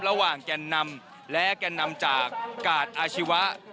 ระหว่างแกนนำและแกนนำจากกาตอาชีวะ